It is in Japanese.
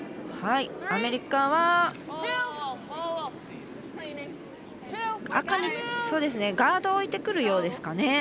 アメリカはガードを置いてくるようですかね。